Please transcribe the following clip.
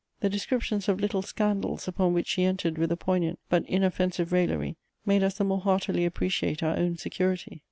The descriptions of little scandals upon which she entered with a poignant but inoffensive raillery made us the more heartily appreciate our own security.